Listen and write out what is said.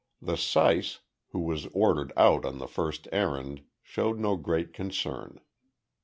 The syce, who was ordered out on the first errand, showed no great concern.